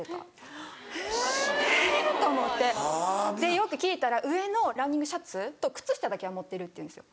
よく聞いたら上のランニングシャツと靴下だけは持ってるって言うんですよ。